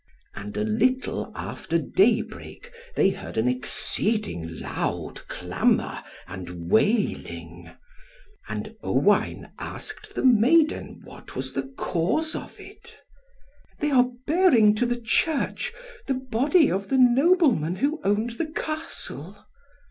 And a little after daybreak, they heard an exceeding loud clamour and wailing. And Owain asked the maiden what was the cause of it. "They are bearing to the church, the body of the Nobleman who owned the Castle."